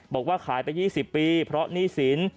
บอกว่าขายไป๒๐ปีเพราะหนี้สิน